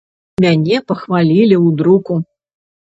Мяне пахвалілі ў друку.